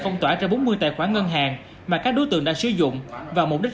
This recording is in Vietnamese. phong tỏa ra bốn mươi tài khoản ngân hàng mà các đối tượng đã sử dụng vào mục đích